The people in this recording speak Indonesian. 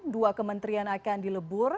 dua kementerian akan dilebur